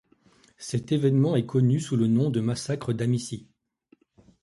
Cet événement est connu sous le nom de massacre d'Ahmići.